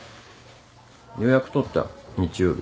予約取った日曜日。